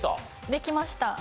できました。